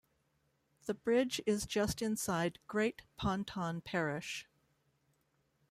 The bridge is just inside Great Ponton parish.